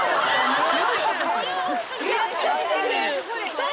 違う。